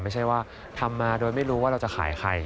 ไม่ใช่ว่าทำมาโดยไม่รู้ว่าเราจะขายใคร